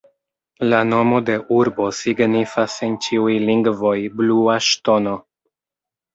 La nomo de urbo signifas en ĉiuj lingvoj Blua Ŝtono.